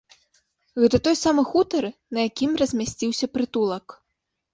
Гэта той самы хутар, на якім размясціўся прытулак.